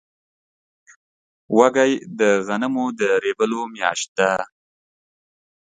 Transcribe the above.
وږی د غنمو د رېبلو میاشت ده.